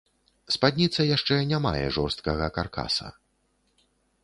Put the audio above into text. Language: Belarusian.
Спадніца яшчэ не мае жорсткага каркаса.